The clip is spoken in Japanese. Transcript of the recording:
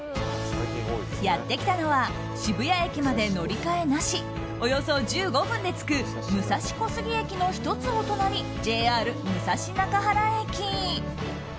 やってきたのは渋谷駅まで乗り換えなしおよそ１５分で着く武蔵小杉駅の１つお隣ＪＲ武蔵中原駅。